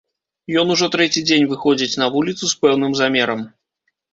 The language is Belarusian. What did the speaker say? Ён ужо трэці дзень выходзіць на вуліцу з пэўным замерам.